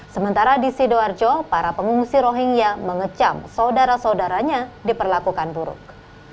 sementara di sidoarjo para pengungsi rohingya mengecam saudara saudaranya diperlakukan buruk